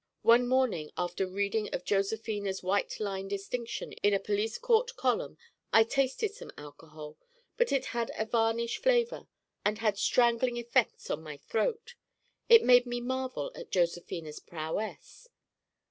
One morning after reading of Josephina's white line distinction in a police court column I tasted some alcohol, but it had a varnish flavor and had strangling effects on my throat. It made me marvel at Josephina's prowess.